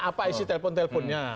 banyak apa isi telepon teleponnya